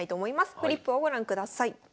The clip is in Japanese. フリップをご覧ください。